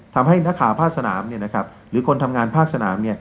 ทำให้นักข่าวภาคสนามหรือคนทำงานภาคสนาม